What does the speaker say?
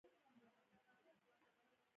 د تا لاس سپک ده ښه هنر لري